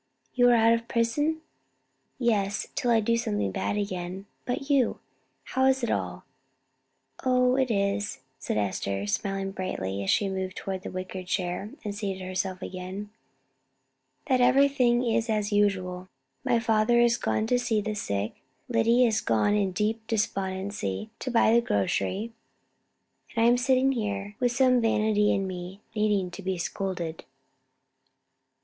"You are out of prison?" "Yes, till I do something bad again. But you? how is it all?" "Oh, it is," said Esther, smiling brightly as she moved toward the wicker chair, and seated herself again, "that everything is as usual: my father is gone to see the sick; Lyddy is gone in deep despondency to buy the grocery; and I am sitting here, with some vanity in me, needing to be scolded."